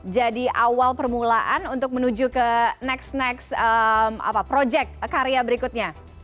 jadi awal permulaan untuk menuju ke next next project karya berikutnya